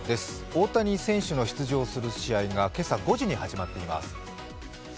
大谷選手の出場する試合が今朝５時に始まっています。